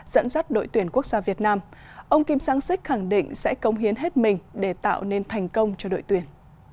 của đội tuyển quốc gia việt nam ông kim sang sích khẳng định sẽ công hiến hết mình để tạo nên thành công cho đội tuyển